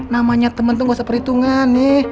namanya teman tuh gak usah perhitungan nih